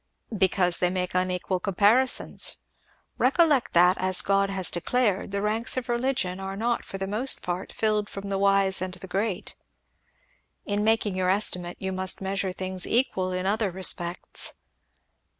"Because they make unequal comparisons. Recollect that, as God has declared, the ranks of religion are not for the most part filled from the wise and the great. In making your estimate you must measure things equal in other respects.